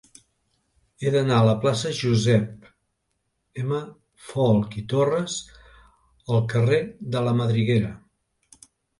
He d'anar de la plaça de Josep M. Folch i Torres al carrer de la Madriguera.